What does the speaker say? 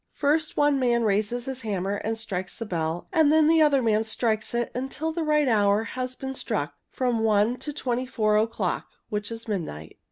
First one man raises his hammer and strikes the bell and then the other man strikes it, until the right hour has been struck, from one to twenty four o'clock, which is midnight.